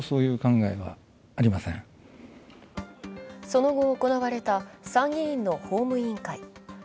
その後行われた参議院の法務委員会。